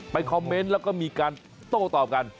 คอมเมนต์แล้วก็มีการโต้ตอบกัน